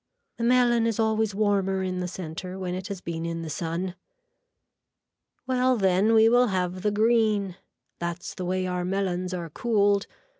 The melon is always warmer in the center when it has been in the sun. Well then we will have the green. That's the way our melons are cooled.